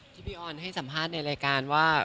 ที่พี่ออนให้สัมภาษณ์ในรายการว่า